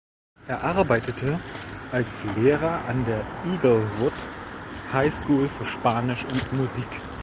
Er arbeitete als Lehrer an der Inglewood High School für Spanisch und Musik.